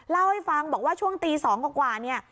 เล่าให้ฟังบอกว่าช่วงตี๒กว่าเนี่ย